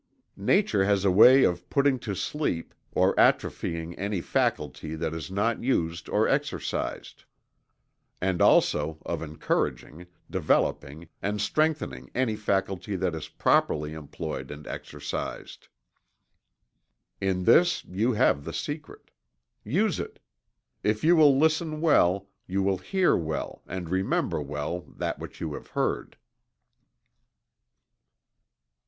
Nature has a way of putting to sleep, or atrophying any faculty that is not used or exercised; and also of encouraging, developing and strengthening any faculty that is properly employed and exercised. In this you have the secret. Use it. If you will listen well, you will hear well and remember well that which you have heard.